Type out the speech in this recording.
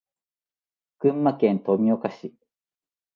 群馬県富岡市